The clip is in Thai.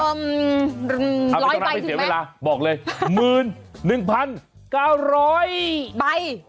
เอ่อร้อยใบถึงไหมเอาไปตรงนั้นไปเสียเวลาบอกเลยหมื่นหนึ่งพันเก้าร้อยใบ